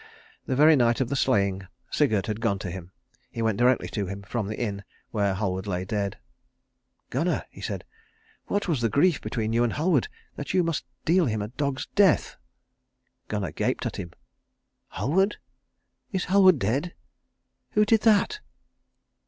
The very night of the slaying Sigurd had gone to him. He went directly to him from the inn where Halward lay dead. "Gunnar," he said, "what was the grief between you and Halward that you must deal him a dog's death?" Gunnar gaped at him. "Halward? Is Halward dead? Who did that?"